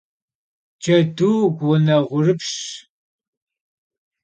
Cedu ğuneğurıpşş.